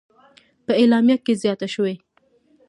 په اعلامیه کې زیاته شوې: